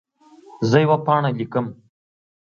زه یوه پاڼه لیکم.